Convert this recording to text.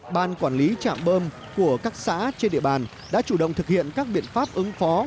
ban quản lý chạm bơm của các xã trên địa bàn đã chủ động thực hiện các biện pháp ứng phó